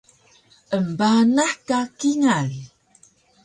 Embanah ka kingal